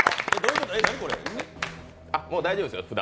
もう大丈夫ですよ、札。